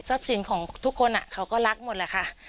ทรัพย์ศิลป์ของทุกคนอ่ะเขาก็รักหมดแหละค่ะ